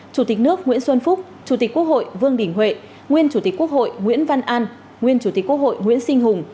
chủ tịch nước nguyễn xuân phúc chủ tịch quốc hội vương đình huệ nguyên chủ tịch quốc hội nguyễn văn an nguyên chủ tịch quốc hội nguyễn sinh hùng